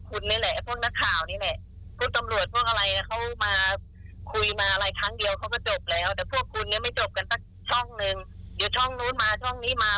แต่พวกคุณเนี่ยไม่จบกันตั้งช่องนึงเดี๋ยวช่องนู้นมาช่องนี้มา